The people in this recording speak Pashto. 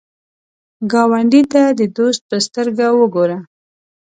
ګاونډي ته د دوست په سترګه وګوره